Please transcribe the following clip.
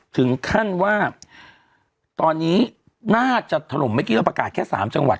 ถึงขั้นว่าตอนนี้น่าจะถล่มไม่คิดว่าประกาศแค่สามจังหวัด